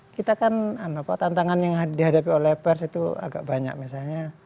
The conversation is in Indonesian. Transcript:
kita kan tantangan yang dihadapi oleh pers itu agak banyak misalnya